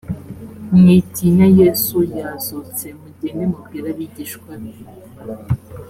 mwitinya yesu yazutse mugende mubwire abigishwa be